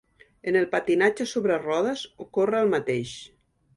En el patinatge sobre rodes, ocorre el mateix.